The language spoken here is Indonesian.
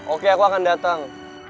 oke aku akan datang